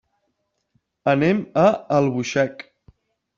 Anem a Albuixec.